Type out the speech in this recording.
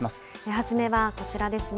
初めはこちらですね。